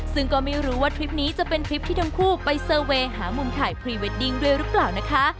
ซึ่งก็ไม่รู้ว่าทริปนี้จะเป็นทริปที่ทั้งคู่ไปเซอร์เวย์หามุมถ่ายพรีเวดดิ้งด้วยหรือเปล่านะคะ